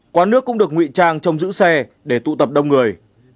quán nước cũng được nguy trang trong giữ xe để tụ tập đông người